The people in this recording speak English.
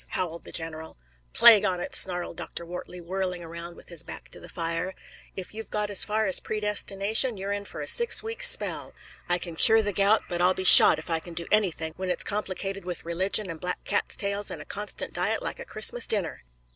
howled the general. "Plague on it!" snarled Dr. Wortley, whirling round with his back to the fire. "If you've got as far as predestination, you're in for a six weeks' spell. I can cure the gout, but I'll be shot if I can do anything when it's complicated with religion and black cats' tails and a constant diet like a Christmas dinner!"